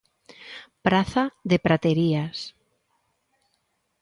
Praza de Praterías.